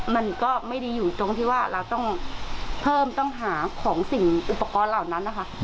มันก็ไม่ดีอยู่ตรงที่ว่าเราต้องเพิ่มต้องหาของสิ่งอุปกรณ์เหล่านั้นนะคะ